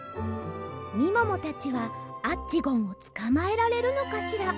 みももたちはアッチゴンをつかまえられるのかしら？